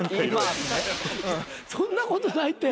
そんなことないって。